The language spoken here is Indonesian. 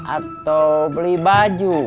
atau beli baju